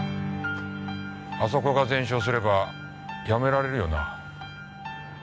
あそこが全焼すればやめられるよな。